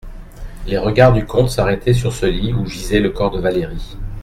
Les regards du comte s'arrêtaient sur ce lit où gisait le corps de Valérie.